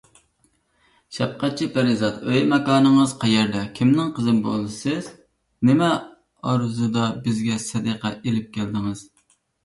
شەپقەتچى پەرىزات، ئۆي - ماكانىڭىز قەيەردە؟ كىمنىڭ قىزى بولىسىز؟ نېمە ئارزۇدا بىزگە سەدىقە ئېلىپ كەلدىڭىز؟